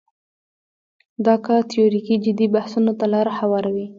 دا کار تیوریکي جدي بحثونو ته لاره هواروي.